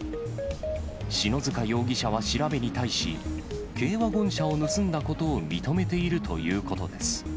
篠塚容疑者は調べに対し、軽ワゴン車を盗んだことを認めているということです。